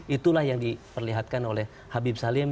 itulah yang diperlihatkan oleh habib salim